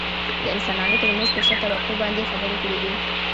دانسانانو ترمنځ په شته طبقو باندې يې خبرې کړي دي .